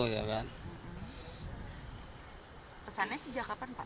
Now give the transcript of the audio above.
pesannya sejak kapan pak